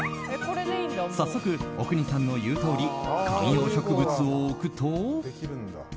早速、阿国さんの言うとおり観葉植物を置くと。